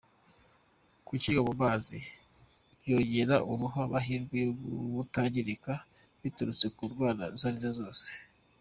Kukinywa mu mazi byongerera uruhu amahirwe yo kutangirika biturutse ku ndwara izo arizo zose.